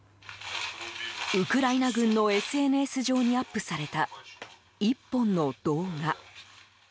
ウクライナ軍のＳＮＳ上にアップされた１本の動画。